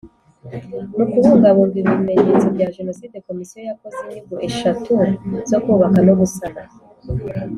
Mu kubungabunga ibimenyetso bya Jenoside Komisiyo yakoze inyigo eshatu zo kubaka no gusana